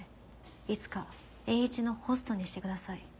「いつかエーイチのホストにしてください」